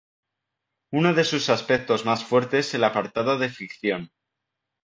Uno de sus aspectos más fuertes el apartado de ficción.